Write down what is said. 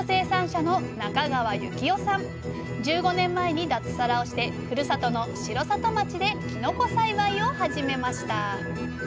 １５年前に脱サラをしてふるさとの城里町できのこ栽培を始めました。